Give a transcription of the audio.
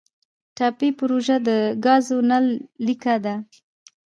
ټاپي پروژه د ګازو نل لیکه ده